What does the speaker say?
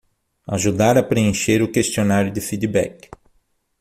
Ajudar a preencher o questionário de feedback